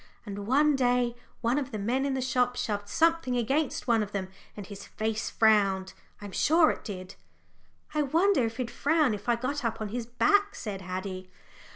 And one day one of the men in the shop shoved something against one of them and his face frowned I'm sure it did." "I wonder if he'd frown if I got up on his back," said Haddie.